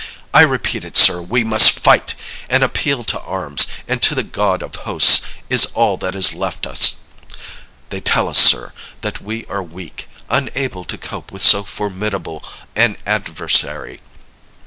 I repeat it, sir, we must fight! An appeal to arms, and to the God of hosts, is all that is left us. They tell us, sir, that we are weak unable to cope with so formidable an adversary.